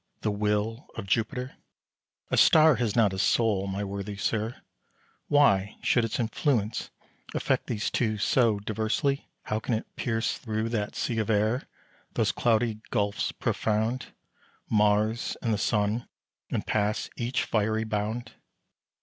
"The will of Jupiter," A star has not a soul, my worthy sir; Why should its influence affect these two So diversely? How can it pierce through That sea of air, those cloudy gulfs profound, Mars and the Sun, and pass each fiery bound?